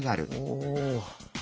お。